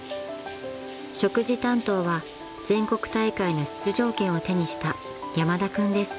［食事担当は全国大会の出場権を手にした山田君です］